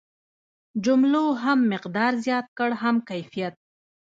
جملو هم مقدار زیات کړ هم کیفیت.